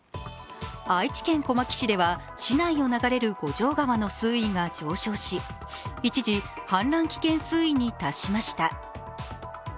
愛知県小牧市では市内を流れる五条川の水位が上昇し、一時、氾濫危険水位に達しました。